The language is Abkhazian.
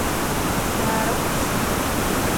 Даарыхәаԥшит.